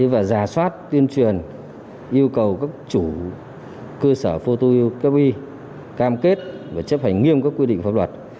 và giả soát tuyên truyền yêu cầu các chủ cơ sở phô tuyên truyền cam kết và chấp hành nghiêm các quy định pháp luật